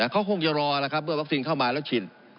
เขาคงจะรอแล้วครับเมื่อวัคซีนเข้ามาแล้วชิน